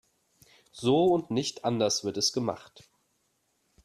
So und nicht anders wird es gemacht.